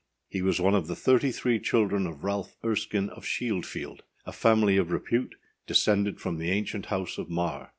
He was one of the thirty three children of Ralph Erskine of Shieldfield, a family of repute descended from the ancient house of Marr.